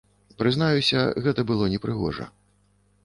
Прызнаюся, гэта было непрыгожа.